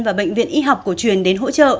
và bệnh viện y học cổ truyền đến hỗ trợ